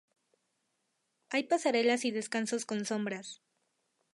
Hay pasarelas y descansos con sombras.